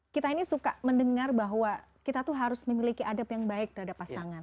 kita ini suka mendengar bahwa kita tuh harus memiliki adab yang baik terhadap pasangan